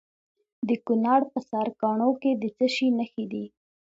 د کونړ په سرکاڼو کې د څه شي نښې دي؟